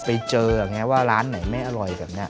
ไปเจอร้านไหนไม่อร่อยครับ